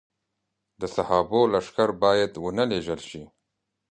د صحابو لښکر باید ونه لېږل شي.